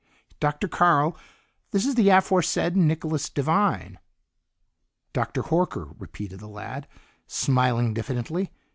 Dr. Carl, this is the aforesaid Nicholas Devine." "Dr. Horker," repeated the lad, smiling diffidently.